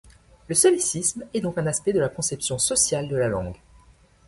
Le solécisme est donc un aspect de la conception sociale de la langue.